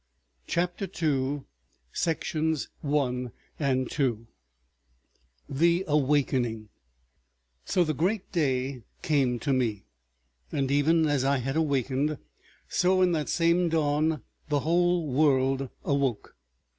CHAPTER THE SECOND THE AWAKENING § 1 So the great Day came to me. And even as I had awakened so in that same dawn the whole world awoke.